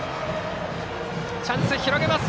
チャンスを広げます。